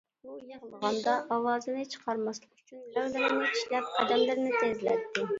ئۇ يىغلىغاندا ئاۋازىنى چىقارماسلىق ئۈچۈن لەۋلىرىنى چىشلەپ قەدەملىرىنى تېزلەتتى.